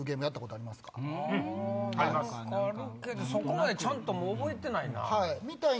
分かるけどそこまでちゃんと覚えてないな。